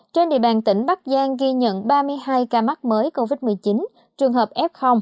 trên địa bàn tỉnh bắc giang ghi nhận ba mươi hai ca mắc mới covid một mươi chín trường hợp f